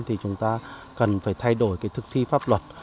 thì chúng ta cần phải thay đổi cái thực thi pháp luật